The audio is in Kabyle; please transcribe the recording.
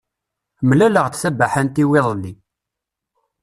Mlaleɣ-d tabaḥant-iw iḍelli.